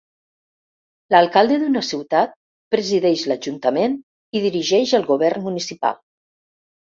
L'alcalde d'una ciutat presideix l'Ajuntament i dirigeix el Govern Municipal.